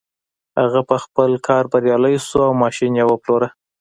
هغه په خپل کار بريالی شو او ماشين يې وپلوره.